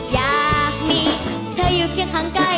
อยากมีเธออยู่เคียงข้างใกล้